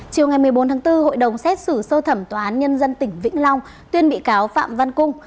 chiều ngày một mươi bốn tháng bốn hội đồng xét xử sơ thẩm tòa án nhân dân tỉnh vĩnh long tuyên bị cáo phạm văn cung